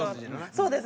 そうです。